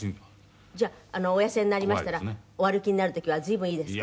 じゃあお痩せになりましたらお歩きになる時は随分いいですか？